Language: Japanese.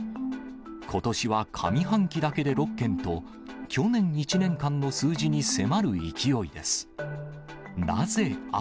ことしは上半期だけで６件と、去年１年間の数字に迫る勢いです。